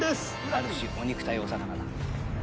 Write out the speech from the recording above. ある種お肉対お魚だ。